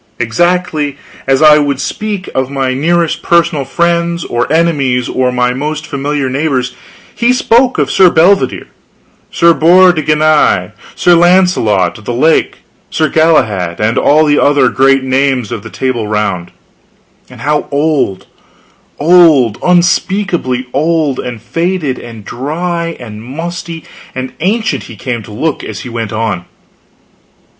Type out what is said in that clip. Exactly as I would speak of my nearest personal friends or enemies, or my most familiar neighbors, he spoke of Sir Bedivere, Sir Bors de Ganis, Sir Launcelot of the Lake, Sir Galahad, and all the other great names of the Table Round and how old, old, unspeakably old and faded and dry and musty and ancient he came to look as he went on!